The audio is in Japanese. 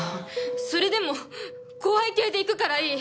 それでも怖い系でいくからいい。